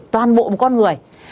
toàn bộ một con người